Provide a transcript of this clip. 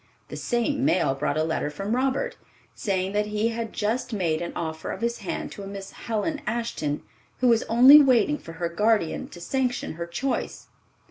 The same mail brought a letter from Robert, saying that he had just made an offer of his hand to a Miss Helen Ashton, who was only waiting for her guardian to sanction her choice.